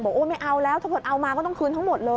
โอ๊ยไม่เอาแล้วถ้าเกิดเอามาก็ต้องคืนทั้งหมดเลย